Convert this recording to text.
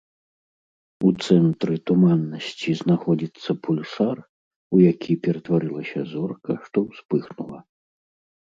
У цэнтры туманнасці знаходзіцца пульсар, у які ператварылася зорка, што ўспыхнула.